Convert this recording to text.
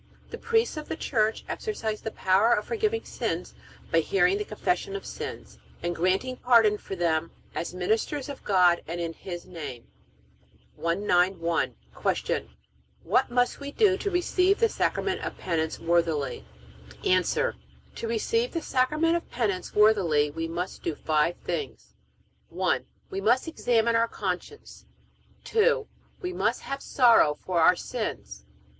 The priests of the Church exercise the power of forgiving sins by hearing the confession of sins, and granting pardon for them as ministers of God and in His name. 191. Q. What must we do to receive the Sacrament of Penance worthily? A. To receive the Sacrament of Penance worthily we must do five things: 1. We must examine our conscience. 2. We must have sorrow for our sins.